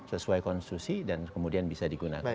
sesuai konstitusi dan kemudian bisa digunakan